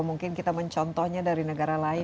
mungkin kita mencontohnya dari negara lain